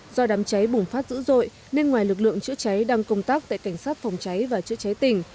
do đám cháy bùng phát dữ dội nên ngoài lực lượng chữa cháy đang công tác tại cảnh sát phòng cháy và chữa cháy tỉnh